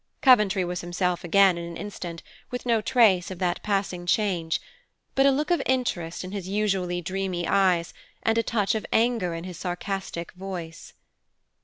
Coventry was himself again in an instant, with no trace of that passing change, but a look of interest in his usually dreamy eyes, and a touch of anger in his sarcastic voice.